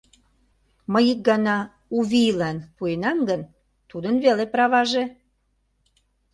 Мый ик гана «У вийлан» пуэнам гын, тудын веле праваже.